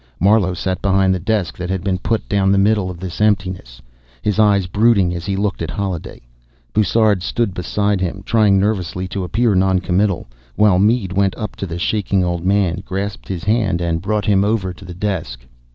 Marlowe sat behind the desk that had been put down in the middle of this emptiness, his eyes brooding as he looked at Holliday. Bussard stood beside him, trying nervously to appear noncommittal, while Mead went up to the shaking old man, grasped his hand, and brought him over to the desk.